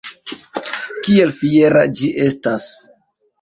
Kiel fiera ĝi estas!